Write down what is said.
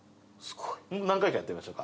何回かやってみましょうか。